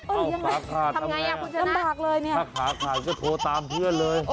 โอ้ยยังไรทำไงคุณชนะทำบากเลยถ้าขาขาดก็โทรตามเพื่อนเลย